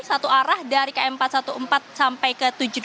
satu arah dari km empat ratus empat belas sampai ke tujuh puluh delapan